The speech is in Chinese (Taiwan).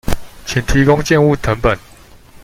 請提供建物謄本